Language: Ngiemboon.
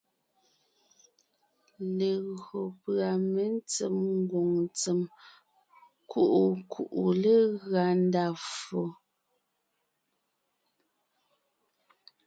Legÿo pʉ̀a mentsém ngwòŋ ntsèm kuʼu kuʼu legʉa ndá ffo.